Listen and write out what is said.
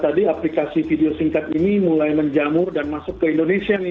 tadi aplikasi video singkat ini mulai menjamur dan masuk ke indonesia nih